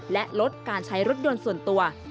และลดการใช้รถยนต์ส่วนตัว